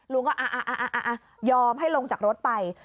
ลุงก็ยอมให้ลงจากรถไป